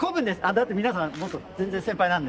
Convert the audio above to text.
だって皆さんもっと全然先輩なので。